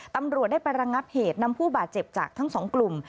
ตำรวจได้ไประงับเหตุนำผู้บาดเจ็บจากทั้งสองกลุ่ม